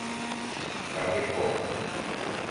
Chapecó